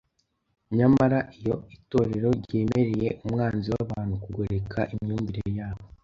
Nyamara iyo Itorero ryemereye umwanzi w’abantu kugoreka imyumvire yabo